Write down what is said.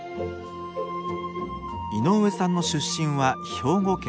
井上さんの出身は兵庫県。